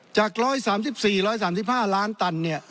จาก๑๓๔๑๓๕ล้านตัน